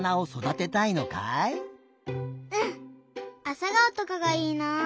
あさがおとかがいいなあ。